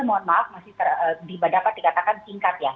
mohon maaf masih dapat dikatakan singkat ya